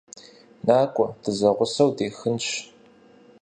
НакӀуэ, дызэгъусэу дехынщ.